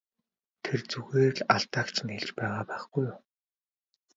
Тэр зүгээр л алдааг чинь хэлж байгаа байхгүй юу!